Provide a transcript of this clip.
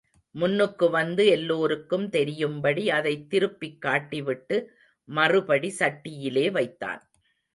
முன்னுக்கு வந்து எல்லோருக்கும் தெரியும்படி அதைத் திருப்பிக்காட்டிவிட்டு மறுபடி சட்டியிலே வைத்தான்.